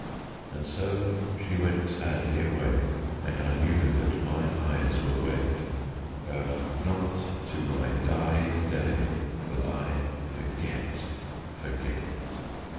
And so she went sadly away, And I knew that my eyes were wet. Ah, not to my dying day Will I forget, forget!